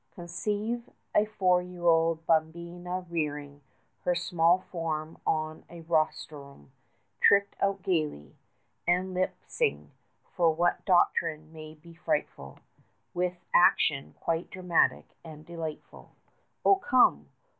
Conceive a four year old bambina rearing 45 Her small form on a rostrum, tricked out gaily, And lisping, what for doctrine may be frightful, With action quite dramatic and delightful. Oh come!